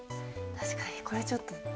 確かにこれちょっと。